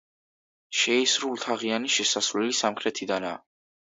შეისრულთაღიანი შესასვლელი სამხრეთიდანაა.